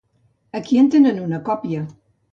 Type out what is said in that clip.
Aquí en tenen una còpia.